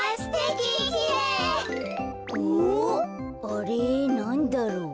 あれなんだろう？